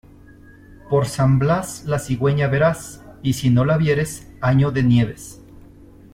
Por San Blas, la cigüeña verás; y si no la vieres año de nieves.